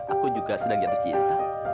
aku juga sedang jatuh cinta